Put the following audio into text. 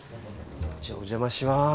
じゃあお邪魔します。